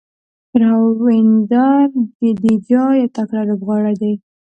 راوېندر جډیجا یو تکړه لوبغاړی دئ.